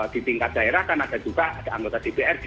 di tingkat daerah kan ada juga ada anggota dprd